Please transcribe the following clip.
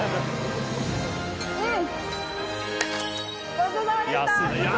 ごちそうさまでした！